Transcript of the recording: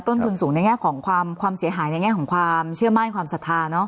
ต้นทุนสูงในแง่ของความเสียหายในแง่ของความเชื่อมั่นความศรัทธา